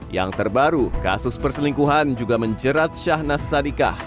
yang terbaru kasus perselingkuhan juga menjerat syahnas sadikah